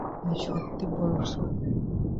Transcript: তুমি সত্যি বলছ?